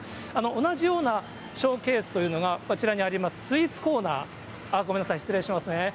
同じようなショーケースというのがあちらにあります、スイーツコーナー、ごめんなさい、失礼しますね。